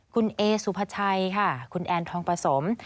คุณเอสุภาชัยค่ะคุณแอนทองผสม